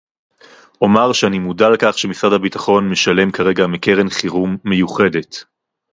אומר שאני מודע לכך שמשרד הביטחון משלם כרגע מקרן חירום מיוחדת